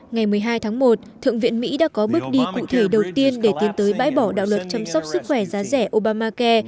ngày một mươi hai tháng một thượng viện mỹ đã có bước đi cụ thể đầu tiên để tiến tới bãi bỏ đạo luật chăm sóc sức khỏe giá rẻ obamacai